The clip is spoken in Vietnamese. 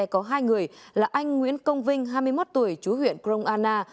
có hai người là anh nguyễn công vinh hai mươi một tuổi chú huyện kronana